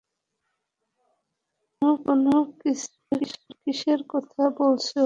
কোন কেসের কথা বলছে ও?